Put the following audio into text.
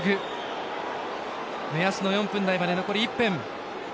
目安の４分台まで残り１分。